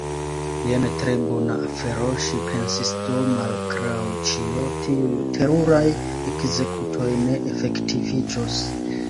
"Jen tre bona afero," ŝi pensis. "Do, malgraŭ ĉio, tiuj teruraj ekzekutoj ne efektiviĝos. »